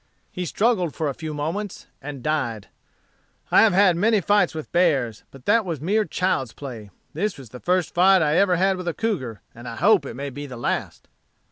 He struggled for a few moments and died. I have had many fights with bears, but that was mere child's play. This was the first fight ever I had with a cougar, and I hope it may be the last."